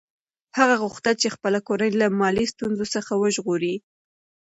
هغه غوښتل چې خپله کورنۍ له مالي ستونزو څخه وژغوري.